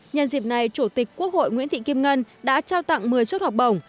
nhân dịp này chủ tịch quốc hội nguyễn thị kim ngân đã trao tặng một mươi suất học bổng